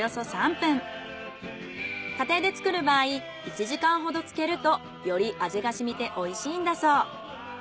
家庭で作る場合１時間ほど漬けるとより味が染みておいしいんだそう。